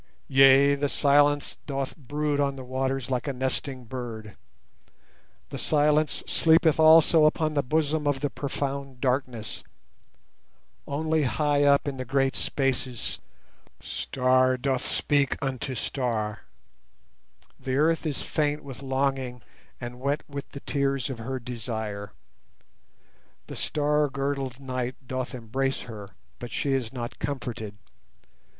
Yea, the silence doth brood on the waters like a nesting bird; The silence sleepeth also upon the bosom of the profound darkness, Only high up in the great spaces star doth speak unto star, The Earth is faint with longing and wet with the tears of her desire; The star girdled night doth embrace her, but she is not comforted.